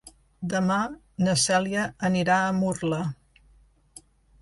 Demà na Cèlia anirà a Murla.